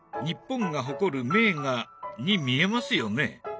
日本が誇る名画に見えますよね？